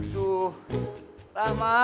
aduh rahap mah